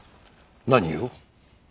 何を？